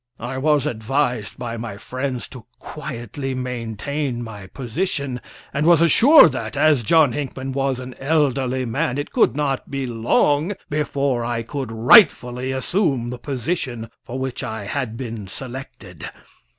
I was advised by my friends to quietly maintain my position, and was assured that, as John Hinckman was an elderly man, it could not be long before I could rightfully assume the position for which I had been selected.